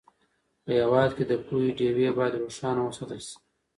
په هېواد کې د پوهې ډېوې باید روښانه وساتل سي.